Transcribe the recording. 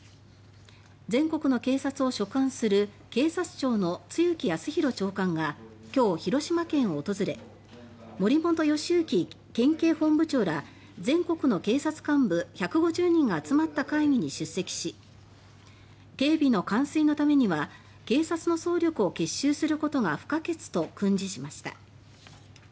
全国の警察を所管する警察庁の露木康浩長官が今日、広島県を訪れ森元良幸県警本部長ら全国の警察幹部１５０人が集まった会議に出席し「警備の完遂のためには警察の総力を結集することが不可欠」と訓示しました。